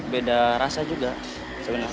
beda rasa juga sebenarnya